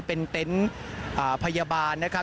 เป็นเต็นต์พยาบาลนะครับ